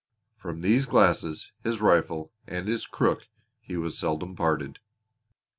From these glasses, his rifle, and his crook he was seldom parted.